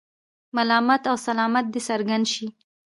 ملامت او سلامت دې څرګند شي.